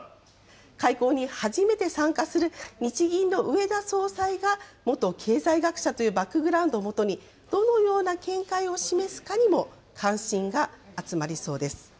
会合に初めて参加する日銀の植田総裁が、元経済学者というバックグラウンドをもとに、どのような見解を示すかにも関心が集まりそうです。